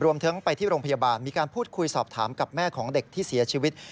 ทั้งไปที่โรงพยาบาลมีการพูดคุยสอบถามกับแม่ของเด็กที่เสียชีวิต